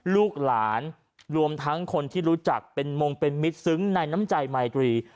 ลูกหลานรวมทั้งคนที่รู้จักเป็นมงเป็นมิตรซึ้งในน้ำใจมายตรี